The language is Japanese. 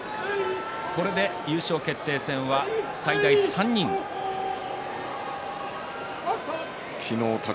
これで優勝決定戦は最大３人です。